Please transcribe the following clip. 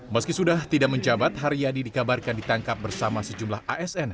meski sudah tidak menjabat haryadi dikabarkan ditangkap bersama sejumlah asn